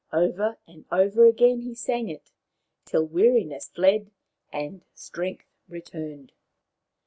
Over and over again he sang it, till weariness fled and strength returned.